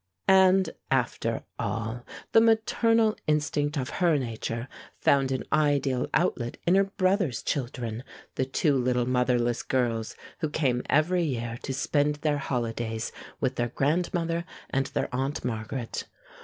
And, after all, the maternal instinct of her nature found an ideal outlet in her brother's children the two little motherless girls who came every year to spend their holidays with their grandmother and their aunt Margaret.